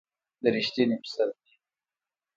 د ر یښتني پسرلي